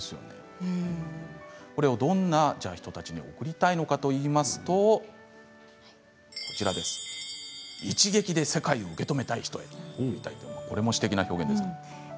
これを、どんな人たちに贈りたいのかといいますと一撃で世界を受け止めたい人へこれも、詩的な表現ですね。